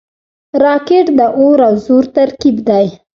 راکټ د اور او زور ترکیب دی